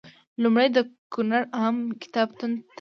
لومړی د کونړ عامه کتابتون ته لاړم.